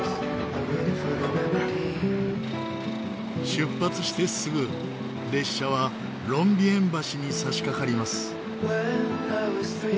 出発してすぐ列車はロンビエン橋に差し掛かります。